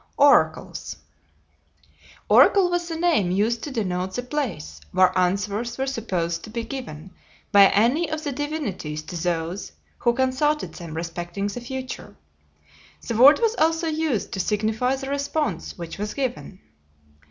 ORACLES Oracle was the name used to denote the place where answers were supposed to be given by any of the divinities to those who consulted them respecting the future. The word was also used to signify the response which was given.